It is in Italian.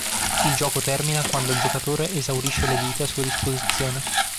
Il gioco termina quando il giocatore esaurisce le vite a sua disposizione.